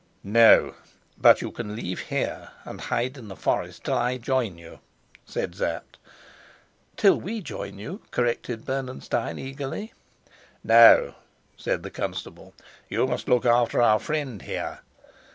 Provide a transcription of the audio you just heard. "No; but you can leave here and hide in the forest till I join you," said Sapt. "Till we join you," corrected Bernenstein eagerly. "No," said the constable, "you must look after our friend here.